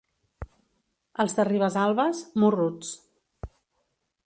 Els de Ribesalbes, morruts.